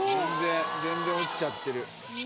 全然落ちちゃってる。